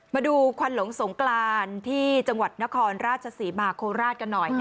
มาดูควันหลงสงกรานที่จังหวัดนครราชศรีมาโคราชกันหน่อย